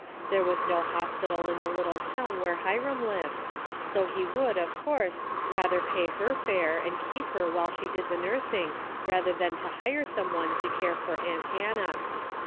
There was no hospital in the little town where Hiram lived, so he would, of course, rather pay her fare and keep her while she did the nursing than to hire some one to care for aunt Hannah.